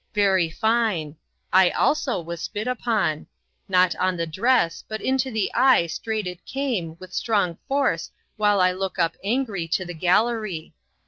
Very fine. I also was spit upon. Not on the dress but into the eye strait it came with strong force while I look up angry to the gallary.